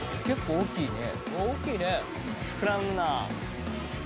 「大きいね」